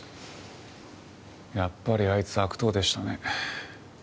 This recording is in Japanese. やっぱりあいつ悪党でしたね。